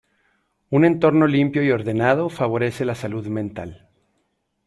Un entorno limpio y ordenado favorece la salud mental.